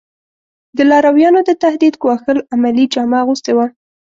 د لارویانو د تهدید ګواښل عملي جامه اغوستې وه.